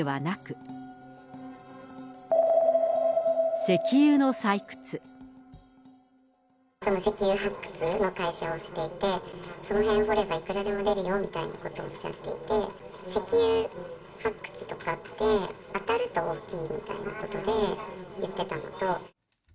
その石油発掘の会社をしていて、その辺掘れば、いくらでも出るよみたいなことをおっしゃっていて、石油発掘とかってあたると大きいみたいなことで、言ってたのと。